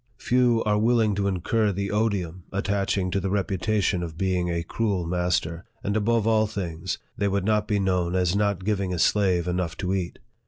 Few are willing to incur the odium attaching to the reputation of being a cruel master ; and above all things, they would not be known as not giving a slave enough to eat.